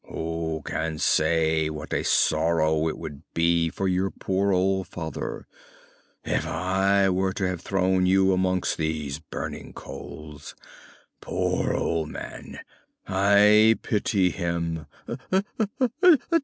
"Who can say what a sorrow it would be for your poor old father if I were to have you thrown amongst those burning coals! Poor old man! I pity him!